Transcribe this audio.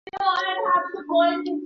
曾祖父朱楚望。